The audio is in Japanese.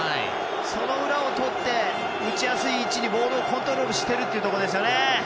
その裏をとって打ちやすい位置にボールをコントロールしているというところですよね。